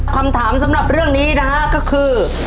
คำถามสำหรับเรื่องนี้นะฮะก็คือ